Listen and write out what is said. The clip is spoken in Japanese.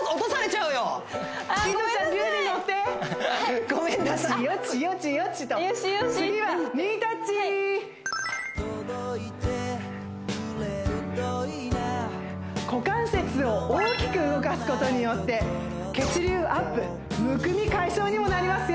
ちとよしよしってして次はニータッチ股関節を大きく動かすことによって血流アップむくみ解消にもなります